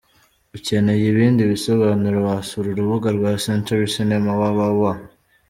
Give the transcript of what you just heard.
Ukeneye ibindi bisobanuro wasura urubuga rwa Century Cinema www.